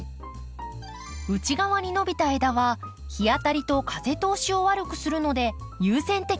内側に伸びた枝は日当たりと風通しを悪くするので優先的に切りましょう。